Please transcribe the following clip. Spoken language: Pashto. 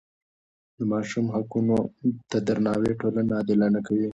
د ماشوم حقونو ته درناوی ټولنه عادلانه کوي.